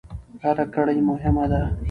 هر کړۍ مهمه ده.